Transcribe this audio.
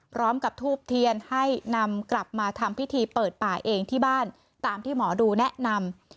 พร้อมกับทูบเทียนให้นำกลับมาทำพิธีเปิดป่าเองที่บ้านตามที่หมอดูแนะนำ